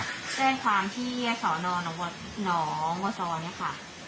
แจ้งความที่สวนองค์น้องสวนเนี้ยค่ะ